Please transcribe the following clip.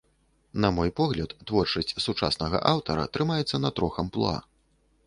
На мой погляд, творчасць сучаснага аўтара трымаецца на трох амплуа.